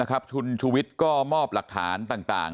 คุณชูวิทย์ก็มอบหลักฐานต่าง